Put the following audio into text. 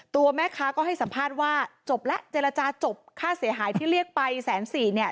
ตัวแม่ค้าก็ให้สัมภาษณ์ว่าจบแล้วเจรจาจบค่าเสียหายที่เรียกไปแสนสี่เนี่ย